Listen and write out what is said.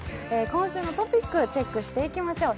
今週のトピックをチェックしていきましょう。